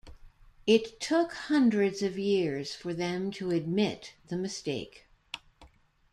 It took hundreds of years for them to admit the mistake.